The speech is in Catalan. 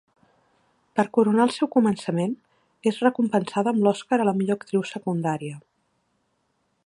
Per coronar el seu començament, és recompensada amb l'Oscar a la millor actriu secundària.